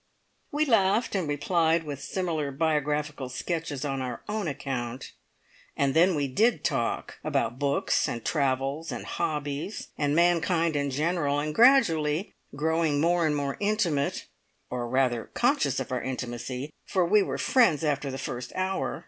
We laughed, and replied with similar biographical sketches on our own account, and then we did talk about books, and travels, and hobbies, and mankind in general, and gradually, growing more and more intimate (or rather conscious of our intimacy, for we were friends after the first hour!)